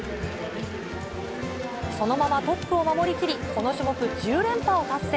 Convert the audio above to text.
そのままトップを守りきり、この種目１０連覇を達成。